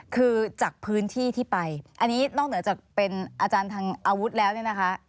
คือจากพื้นที่ที่ไปอันนี้นอกเหนือจากเป็นอาจารย์ทางอาวุธแล้วเนี่ยนะคะ